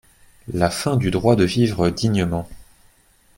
La fin du droit de vivre dignement ».